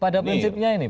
pada prinsipnya ini pak